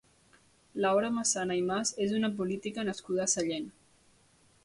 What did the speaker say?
Laura Massana i Mas és una política nascuda a Sallent.